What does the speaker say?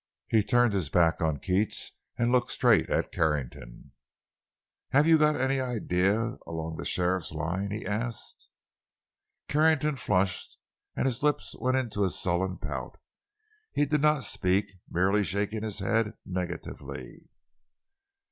He turned his back on Keats and looked straight at Carrington: "Have you got any ideas along the sheriff's line?" he asked. Carrington flushed and his lips went into a sullen pout. He did not speak, merely shaking his head, negatively.